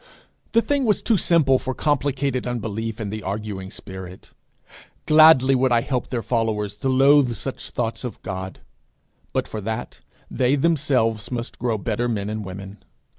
The thing was too simple for complicated unbelief and the arguing spirit. Gladly would I help their followers to loathe such thoughts of God; but for that, they themselves must grow better men and women.